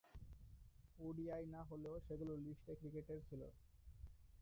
ODI না হলেও সেগুলো লিস্ট এ ক্রিকেটের ছিল।